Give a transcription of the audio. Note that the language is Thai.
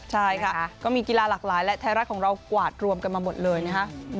ใช่ค่ะก็มีกีฬาหลากหลายและไทยรัฐของเรากวาดรวมกันมาหมดเลยนะฮะ